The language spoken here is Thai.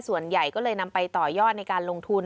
ส่วนใหญ่ก็เลยนำไปต่อยอดในการลงทุน